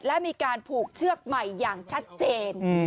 และมีการผูกเชือกใหม่อย่างชัดเจน